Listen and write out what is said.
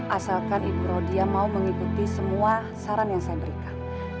asalkan ibu rodia mau mengikuti semua saran yang saya berikan